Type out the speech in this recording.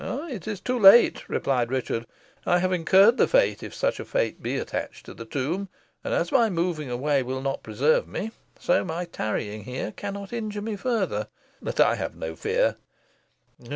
"It is too late," replied Richard, "I have incurred the fate, if such a fate be attached to the tomb; and as my moving away will not preserve me, so my tarrying here cannot injure me further. But I have no fear."